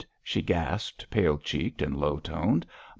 she gasped, pale cheeked and low toned.